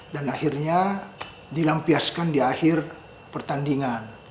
dan akhirnya dilampiaskan di akhir pertandingan